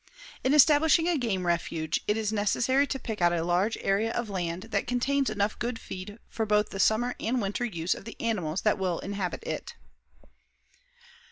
In establishing a game refuge, it is necessary to pick out a large area of land that contains enough good feed for both the summer and winter use of the animals that will inhabit it.